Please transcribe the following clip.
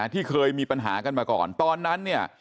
ที่เคยมีปัญหากันมาก่อนตอนนั้นเนี่ย